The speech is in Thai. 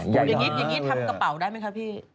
อย่างนี้ทำกระเป๋าได้ไหมคะพี่